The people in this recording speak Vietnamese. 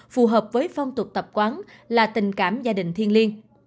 phù hợp với phong tục tập quán là tình cảm gia đình thiên liên